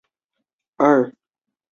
同年加入中国社会主义青年团。